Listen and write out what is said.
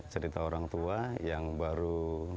cerita orang tua yang baru